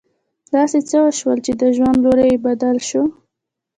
داسې څه وشول چې د ژوند لوری يې بدل شو.